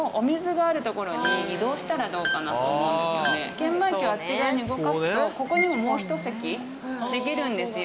券売機をあっち側に動かすとここにももう１席できるんですよ。